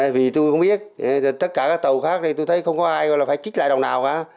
vì tôi không biết tất cả các tàu khác này tôi thấy không có ai phải trích lại đồng nào cả